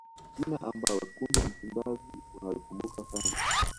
jina ambalo wekundu wa msimbazi wanalikumbuka sana